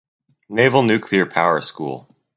Naval Nuclear Power School.